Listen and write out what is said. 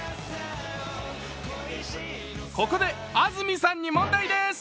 ここで安住さんに問題です！